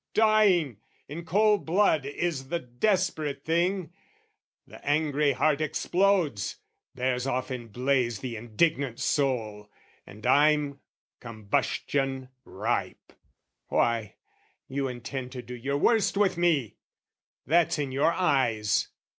Dying in cold blood is the desperate thing; The angry heart explodes, bears off in blaze The indignant soul, and I'm combustion ripe. Why, you intend to do your worst with me! That's in your eyes!